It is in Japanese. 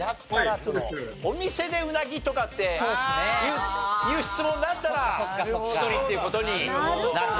お店でうなぎとかっていう質問だったら１人っていう事になる。